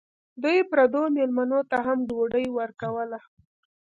دوی پردو مېلمنو ته هم ډوډۍ ورکوله.